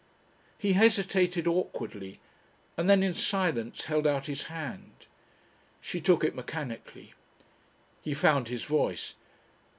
He hesitated awkwardly, and then in silence held out his hand. She took it mechanically. He found his voice.